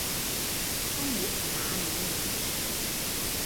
Con nít má núng nính